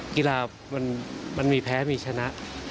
กีฬามันมีแพ้มีชนะ